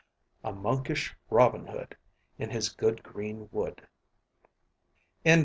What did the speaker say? A monkish Robin Hood In his good green wood. III.